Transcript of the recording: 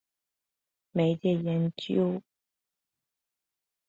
媒介效果研究受众研究